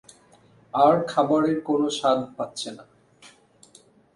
আর খাবারের কোনো স্বাদ পাচ্ছে না।